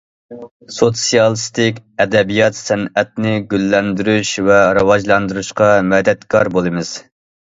سوتسىيالىستىك ئەدەبىيات- سەنئەتنى گۈللەندۈرۈش ۋە راۋاجلاندۇرۇشقا مەدەتكار بولىمىز.